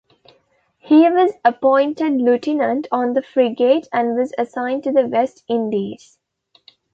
He was appointed lieutenant on the frigate and was assigned to the West Indies.